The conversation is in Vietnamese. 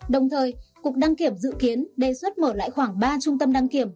đồng thời cục đăng kiểm dự kiến đề xuất mở lại khoảng ba trung tâm đăng kiểm